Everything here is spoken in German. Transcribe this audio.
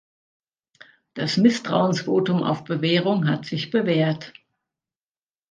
Das Misstrauensvotum auf Bewährung hat sich bewährt.